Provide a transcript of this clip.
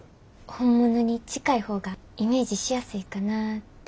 本物に近い方がイメージしやすいかなって。